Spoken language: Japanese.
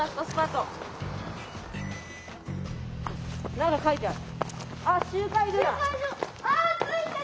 何か書いてある。